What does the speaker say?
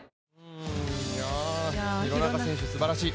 廣中選手、すばらしい。